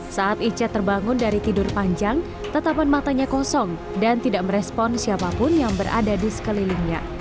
saat ica terbangun dari tidur panjang tetapan matanya kosong dan tidak merespon siapapun yang berada di sekelilingnya